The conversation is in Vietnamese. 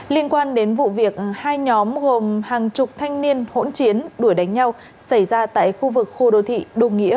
liên quan đến vụ việc hai nhóm gồm hàng chục thanh niên hỗn chiến đuổi đánh nhau xảy ra tại khu vực khu đô thị đụng nghĩa